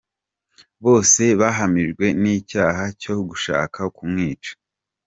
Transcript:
Bose bahamijwe n’icyaha cyo gushaka kumwica.